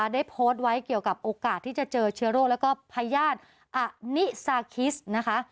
ได้โพสต์ไว้เกี่ยวกับโอกาสที่จะเจอเชื้อโรคแล้วก็พญาติอนิซาคิสนะคะ